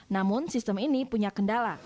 namun sistem ini punya kendala